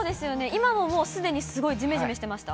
今ももうすでにすごいじめじめしてました。